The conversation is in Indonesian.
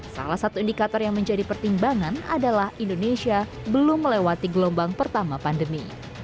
salah satu indikator yang menjadi pertimbangan adalah indonesia belum melewati gelombang pertama pandemi